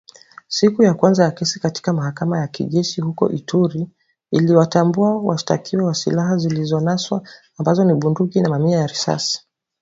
Siku ya kwanza ya kesi katika mahakama ya kijeshi huko Ituri iliwatambua washtakiwa na silaha zilizonaswa ambazo ni bunduki na mamia ya risasi.